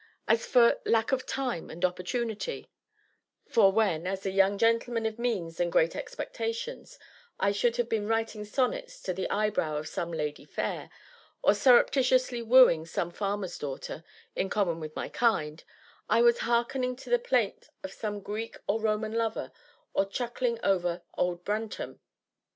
as for lack of time and opportunity; for when, as a young gentleman of means and great expectations, I should have been writing sonnets to the eyebrow of some "ladye fayre," or surreptitiously wooing some farmer's daughter, in common with my kind, I was hearkening to the plaint of some Greek or Roman lover, or chuckling over old Brantome.